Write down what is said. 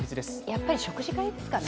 やっぱり食事会ですかね。